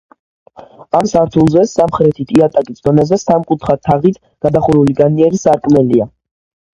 ამ სართულზე, სამხრეთით იატაკის დონეზე, სამკუთხა თაღით გადახურული განიერი სარკმელია.